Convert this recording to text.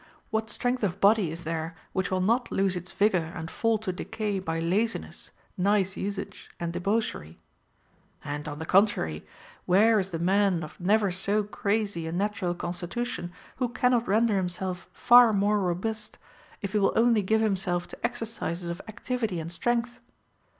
What strength of body is there which Λνίΐΐ not lose its vigor and fall to decay by laziness, nice usage, and debauchery? And, on the contrary, Avhere is the man of ne\^er so crazy a natural constitution, who can not render himself far more robust, if he will only give himself to exercises of activity and strength